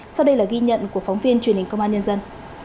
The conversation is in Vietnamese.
sau đây là ghi nhận của phóng viên truyền hình công an nhân dân